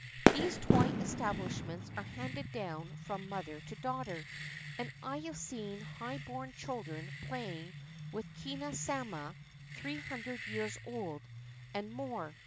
These toy establishments are handed down from mother to daughter, and I have seen high born children playing with hina sama three hundred years old and more.